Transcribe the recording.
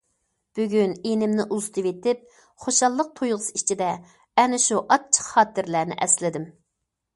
بۈگۈن ئىنىمنى ئۇزىتىۋېتىپ، خۇشاللىق تۇيغۇسى ئىچىدە ئەنە شۇ ئاچچىق خاتىرىلەرنى ئەسلىدىم.